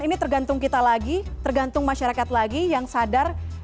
ini tergantung kita lagi tergantung masyarakat lagi yang sadar